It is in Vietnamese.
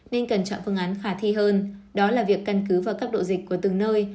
nên cần chọn phương án khả thi hơn đó là việc căn cứ vào cấp độ dịch của từng nơi